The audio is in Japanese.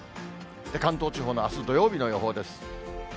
関東地方のあす土曜日の予報です。